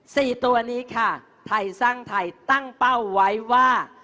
สี่ตัวนี้ค่ะไทยสร้างไทยตั้งเป้าไว้ว่า